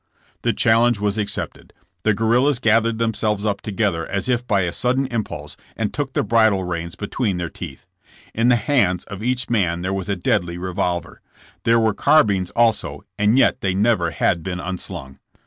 "The challenge was accepted. The guerrillas gathered themselves up together as if by a sudden impulse, and took the bridle reins between their teeth. In the hands of each man there was a deadly revolver. There were carbines also, and yet they never had been unslung.